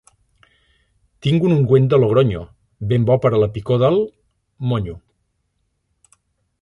Tinc un ungüent de Logronyo, ben bo per a la picor del... monyo.